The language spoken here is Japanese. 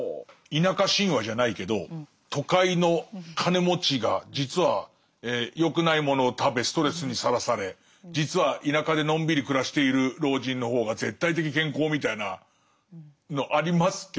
田舎神話じゃないけど都会の金持ちが実は良くないものを食べストレスにさらされ実は田舎でのんびり暮らしている老人の方が絶対的健康みたいなのありますけど。